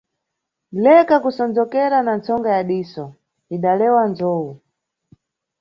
Leka kusonzokera na ntsonga ya diso - idalewa nzowu.